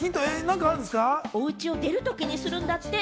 おうちを出るときにするんだって。